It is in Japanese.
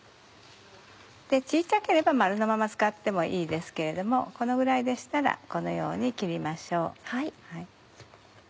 小っちゃければ丸のまま使ってもいいですけれどもこのぐらいでしたらこのように切りましょう。